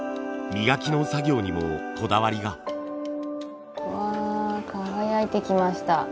磨きの作業にもこだわりが。わ輝いてきました。